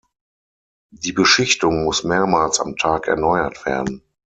Die Beschichtung muss mehrmals am Tag erneuert werden.